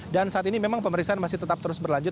dan saat ini memang pemeriksaan masih tetap terus berlanjut